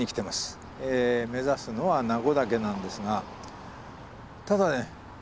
目指すのは名護岳なんですがただね